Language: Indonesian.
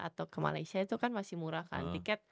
atau ke malaysia itu kan masih murah kan